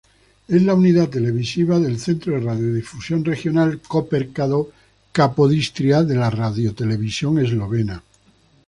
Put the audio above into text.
Es la unidad televisiva del Centro de Radiodifusión Regional Koper-Capodistria de la Radiotelevisión Eslovena.